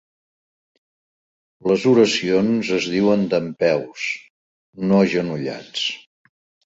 Les oracions es diuen dempeus, no agenollats.